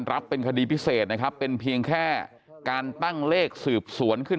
รับเป็นคดีพิเศษนะครับเป็นเพียงแค่การตั้งเลขสืบสวนขึ้น